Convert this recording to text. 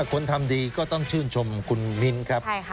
คนทำดีก็ต้องชื่นชมคุณมิ้นครับ